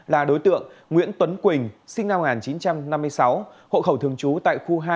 là đối tượng nguyễn tuấn quỳnh sinh năm một nghìn chín trăm năm mươi sáu hộ khẩu thường trú tại khu hai